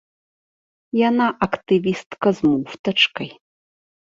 Яна актывістка з муфтачкай.